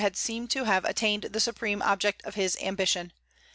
had seemed to have attained the supreme object of his ambition.